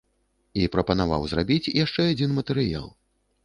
І прапанаваў зрабіць яшчэ адзін матэрыял.